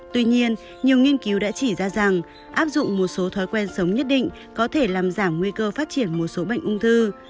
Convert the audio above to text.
tuy nhiên nhiều nghiên cứu đã chỉ ra rằng áp dụng một số thói quen sống nhất định có thể làm giảm nguy cơ phát triển một số bệnh ung thư